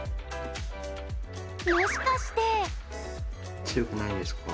もしかして？